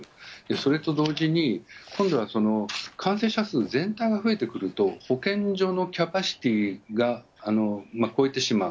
それと同時に、今度は感染者数全体が増えてくると、保健所のキャパシティが超えてしまう。